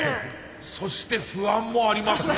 そして不安もありますね。